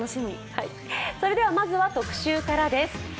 それではまずは特集からです。